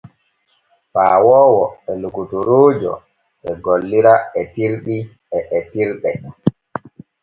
Paawoowo e lokotoroojo e gollira etirɗi e etirde.